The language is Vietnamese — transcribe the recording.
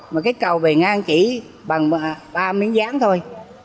mà cái cầu về ngang chỉ bằng ba miếng dán thôi